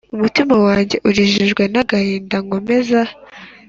Umutima wanjye urijijwe n agahinda nkomeza